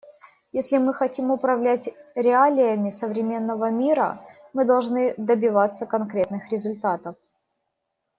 Если мы хотим управлять реалиями современного мира, мы должны добиваться конкретных результатов.